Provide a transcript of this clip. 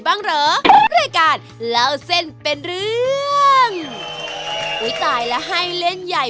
บ้างเหรอรายการเล่าเส้นเป็นเรื่องอุ้ยตายแล้วให้เล่นใหญ่